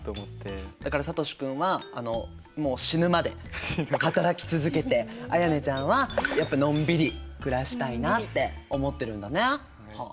だからさとし君はもう死ぬまで働き続けて絢音ちゃんはやっぱのんびり暮らしたいなって思ってるんだね。